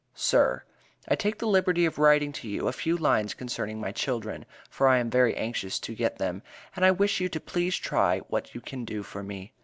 SIR: I take the liberty of writing to you a few lines concerning my children, for I am very anxious to get them and I wish you to please try what you can do for me.